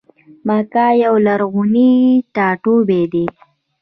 مکه یو لرغونی ټا ټوبی دی.